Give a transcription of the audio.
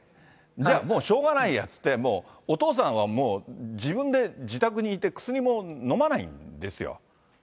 じゃあ、もうしょうがないやっていって、お父さんは、もう自分で自宅にいて、薬も飲まないんですよ。